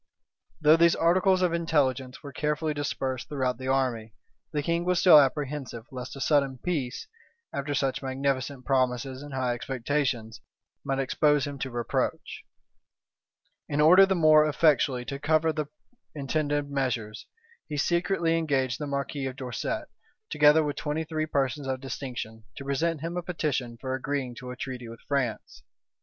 Though these articles of intelligence were carefully dispersed throughout the army, the king was still apprehensive lest a sudden peace, after such magnificent promises and high expectations, might expose him to reproach. In order the more effectually to cover the intended measures, he secretly engaged the marquis of Dorset, together with twenty three persons of distinction, to present him a petition for agreeing to a treaty with France.